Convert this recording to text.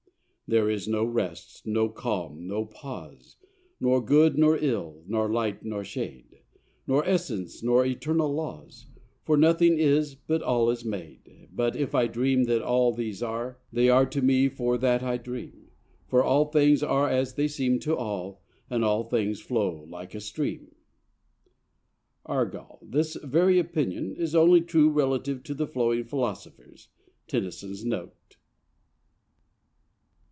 II There is no rest, no calm, no pause, Nor good nor ill, nor light nor shade, Nor essence nor eternal laws: For nothing is, but all is made, But if I dream that all these are, They are to me for that I dream; For all things are as they seem to all, And all things flow like a stream. Argal. This very opinion is only true relatively to the flowing philosophers. (Tennyson's note.)